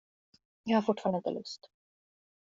Jag har fortfarande inte lust.